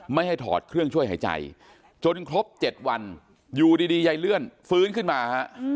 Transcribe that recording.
ไม่ให้ถอดเครื่องช่วยหายใจจนครบ๗วันอยู่ดียายเลื่อนฟื้นขึ้นมาฮะ